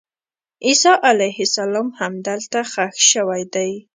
عیسی علیه السلام همدلته ښخ شوی دی.